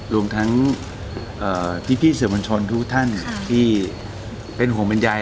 รวมทั้งพี่สื่อมวลชนทุกท่านที่เป็นห่วงเป็นใย